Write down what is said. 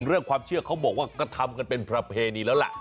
เรื่องความเชื่อเขาบอกว่าก็ทำกันเป็นประเพณีแล้วล่ะ